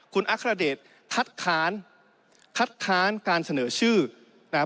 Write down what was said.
คุณอัครเดชคัดค้านคัดค้านการเสนอชื่อนะครับ